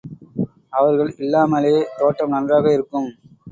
அவர்கள் இல்லாமலே, தோட்டம் நன்றாக இருக்கும்.